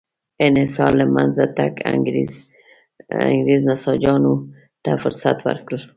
انحصار له منځه تګ انګرېز نساجانو ته فرصت ورکړ.